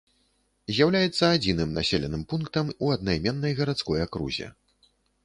З'яўляецца адзіным населеным пунктам у аднайменнай гарадской акрузе.